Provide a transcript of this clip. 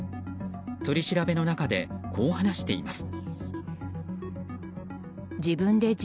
取り調べの中でこう話しています。